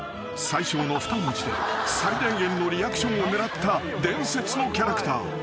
［最小の２文字で最大限のリアクションを狙った伝説のキャラクター。